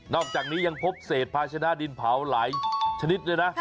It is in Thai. อกจากนี้ยังพบเศษภาชนะดินเผาหลายชนิดด้วยนะ